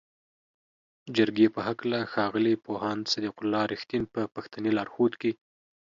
جرګې په هکله ښاغلي پوهاند صدیق الله "رښتین" په پښتني لارښود کې